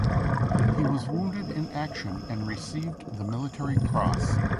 He was wounded in action and received the Military Cross.